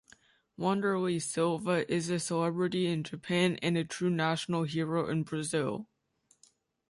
Wanderlei Silva is a celebrity in Japan and a true national hero in Brazil.